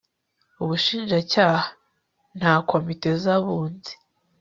ubushinjacyaha, na komite z'abunzi